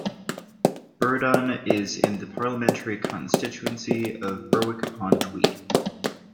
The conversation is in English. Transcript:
Burradon is in the parliamentary constituency of Berwick-upon-Tweed.